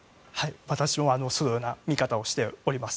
私もそのような見方をしております。